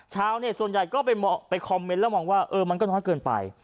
ชาวเน็ตส่วนใหญ่ก็ไปคอมเมนต์แล้วมองว่ามันก็น้อยเกินไป